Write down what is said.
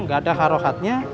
enggak ada harohatnya